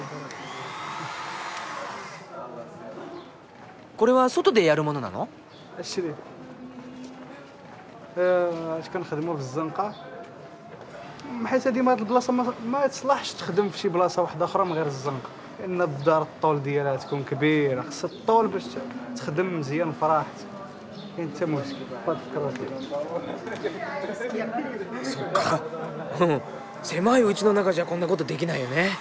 そうか狭い家の中じゃこんなことできないよね。